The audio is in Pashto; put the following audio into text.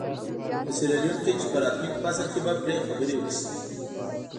په سیریلیون کې چې په راتلونکي فصل کې به پرې خبرې وشي.